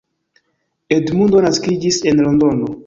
Edmundo naskiĝis en Londono.